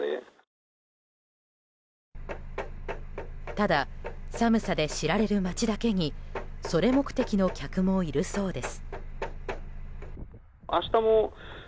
ただ、寒さで知られる町だけにそれ目的の客もいるそうです。